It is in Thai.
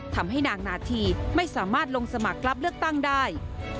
ทำให้นางนาธีไม่สามารถลงสมัครรับเลือกตั้งได้